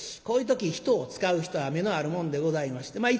こういう時人を使う人は目のあるもんでございまして。